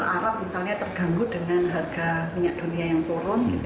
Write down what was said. arab misalnya terganggu dengan harga minyak dunia yang turun